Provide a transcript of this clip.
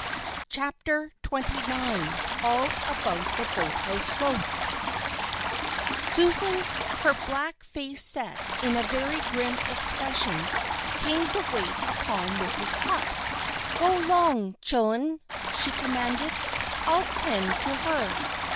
CHAPTER XXIX ALL ABOUT THE BOATHOUSE GHOST Susan, her black face set in a very grim expression, came to wait upon Mrs. Cupp. "Go 'long, chillen," she commanded, "I'll 'tend to her."